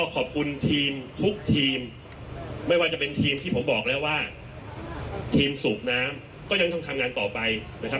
ขอบคุณทีมทุกทีมไม่ว่าจะเป็นทีมที่ผมบอกแล้วว่าทีมสูบน้ำก็ยังต้องทำงานต่อไปนะครับ